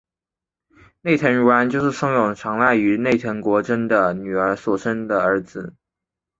内藤如安就是松永长赖与内藤国贞的女儿所生的儿子。